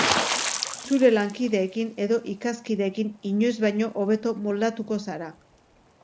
Zure lankideekin edo ikaskideekin inoiz baino hobeto moldatuko zara.